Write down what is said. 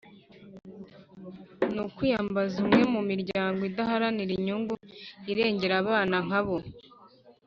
ni ukwiyambaza umwe mu miryango idaharanira inyungu irengera abana nkabo.